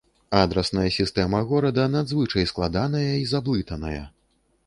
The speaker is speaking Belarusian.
Адрасная сістэма горада надзвычай складаная і заблытаная.